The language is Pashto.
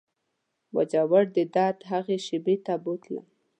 باجوړ د درد هغې شېبې ته بوتلم.